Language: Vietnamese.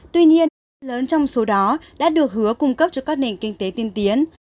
tuy nhiên lớn trong số đó đã được hứa cung cấp cho các nền kinh tế tiên tiến